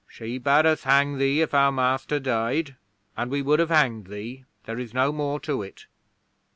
"She bade us hang thee if our master died. And we would have hanged thee. There is no more to it."